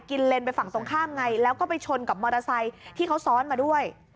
เลนไปฝั่งตรงข้ามไงแล้วก็ไปชนกับมอเตอร์ไซค์ที่เขาซ้อนมาด้วย